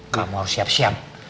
kamu harus siap siap